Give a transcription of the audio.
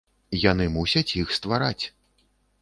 Яны мусяць іх ствараць.